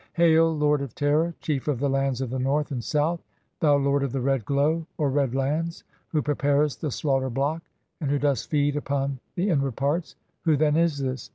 "Hail, Lord of terror, chief of the lands of the North and "South, thou lord of the red glow (or red lands), (45) who "preparest the slaughter block, and who dost feed upon the in "ward parts!" Who then is this?